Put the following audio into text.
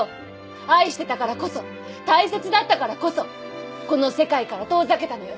愛してたからこそ大切だったからこそこの世界から遠ざけたのよ。